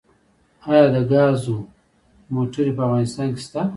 آیا د ګازو موټرې په افغانستان کې شته؟